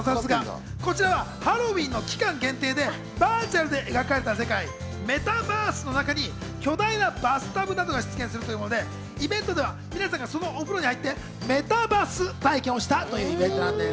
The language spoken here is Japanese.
こちらハロウィーンの期間限定でバーチャルで描かれた世界・メタバースの中に巨大なバスタブなどが出現するというもので、イベントでは皆さんがそのお風呂に入ってメタバス体験をしたんです。